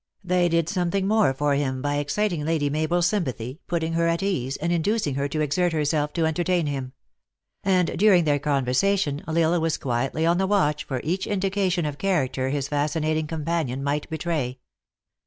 They did something more for him by exciting Lady Mabel s sympathy, putting her at ease, and inducing her to exert herself to entertain him ; and during their con versation L Isle was quietly on the watch for each in dication of character his fascinating companion might betray.